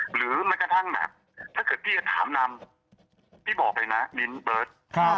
หรือแม้กระทั่งแบบถ้าเกิดพี่จะถามนำพี่บอกเลยนะมิ้นเบิร์ต